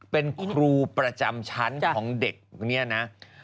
เป็นครูประจำชั้นของเด็กเนี่ยนะ